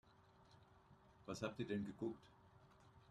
Was habt ihr denn geguckt?